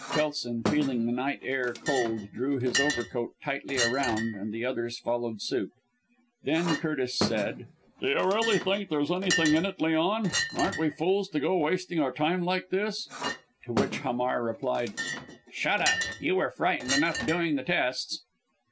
Kelson, feeling the night air cold, drew his overcoat tightly around and the others followed suit. Then Curtis said "Do you really think there's anything in it, Leon? Aren't we fools to go on wasting our time like this?" To which Hamar replied: "Shut up! You were frightened enough doing the tests!"